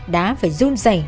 đã phải run dày